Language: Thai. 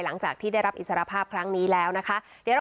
หลังจากที่ได้รับอิสรภาพครั้งนี้แล้วนะคะ